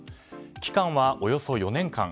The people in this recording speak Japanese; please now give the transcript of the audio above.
期間はおよそ４年間。